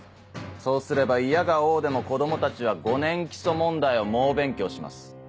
そうすればいやが応でも子供たちは５年基礎問題を猛勉強します。